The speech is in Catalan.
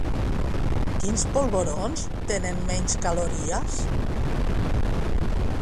Quins polvorons tenen menys calories?